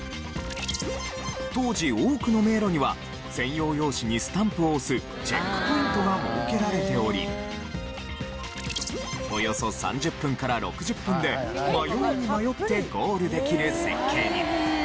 当時多くの迷路には専用用紙にスタンプを押すチェックポイントが設けられておりおよそ３０分から６０分で迷いに迷ってゴールできる設計に。